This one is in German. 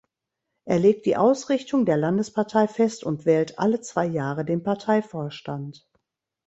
Er legt die Ausrichtung der Landespartei fest und wählt alle zwei Jahre den Parteivorstand.